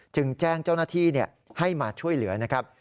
จึงแจ้งเจ้าหน้าที่ให้มาช่วยเหลือนะครับ